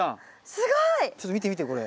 すごい！ちょっと見て見てこれ。